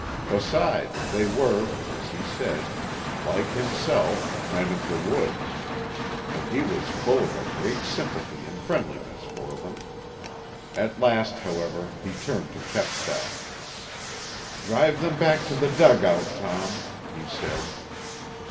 Besides, they were, as he said, like himself, men of the woods, and he was full of a great sympathy and friendliness for them. At last, however, he turned to Chepstow. "Drive back to the dugout, Tom," he said.